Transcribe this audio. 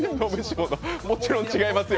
もちろん違いますよ。